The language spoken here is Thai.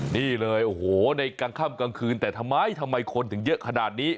นี่เลยโอ้โหในกลางค่ำกลางคืนแต่ทำไมทำไมคนถึงเยอะขนาดนี้